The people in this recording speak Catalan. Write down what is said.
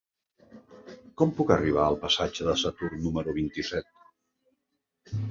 Com puc arribar al passatge de Saturn número vint-i-set?